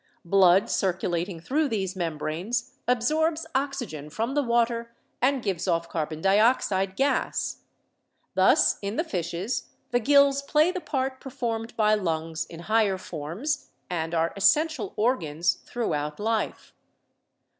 Blood circulating through these membranes ab EVIDENCES OF ORGANIC DESCENT 153 sorbs oxygen from the water and gives off carbon dioxide gas. Thus in the fishes the gills play the part performed by lungs in higher forms, and are essential organs throughout life.